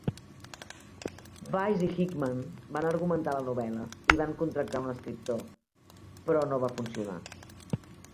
Weis i Hickman van argumentar la novel·la i van contractar un escriptor, però no va funcionar.